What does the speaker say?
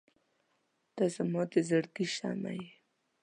• ته زما د زړګي شمعه یې.